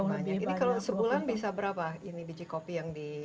ini kalau sebulan bisa berapa ini biji kopi yang di